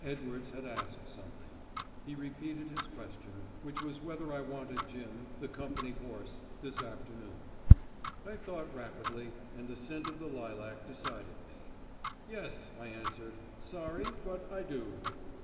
Edwards had asked something. He repeated his question, which was whether I wanted Jim, the company horse, this afternoon. I thought rapidly, and the scent of the lilac decided me. "Yes," I answered. "Sorry, but I do."